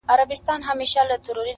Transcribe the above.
ها دی سلام يې وکړ.